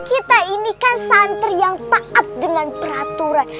kita ini kan santri yang taat dengan peraturan